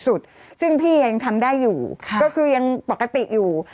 ซึ่งพี่ยังทำได้อยู่ก็คือยังปกติอยู่